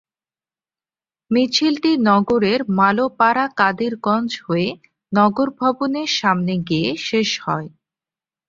মিছিলটি নগরের মালোপাড়া কাদিরগঞ্জ হয়ে নগর ভবনের সামনে গিয়ে শেষ হয়।